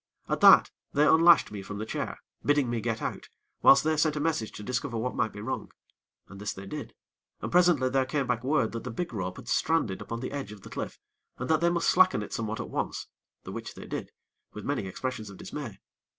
At that, they unlashed me from the chair, bidding me get out, whilst they sent a message to discover what might be wrong. And this they did, and, presently, there came back word that the big rope had stranded upon the edge of the cliff, and that they must slacken it somewhat at once, the which they did, with many expressions of dismay.